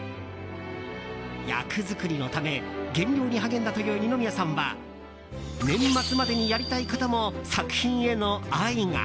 役作りのため減量に励んだという二宮さんは年末までにやりたいことも作品への愛が。